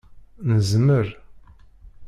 Nezmer!